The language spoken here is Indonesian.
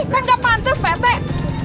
kan gak pantas prt